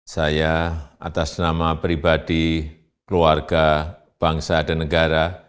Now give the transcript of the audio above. saya atas nama pribadi keluarga bangsa dan negara